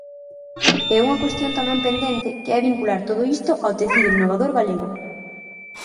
E unha cuestión tamén pendente, que é vincular todo isto ao tecido innovador galego.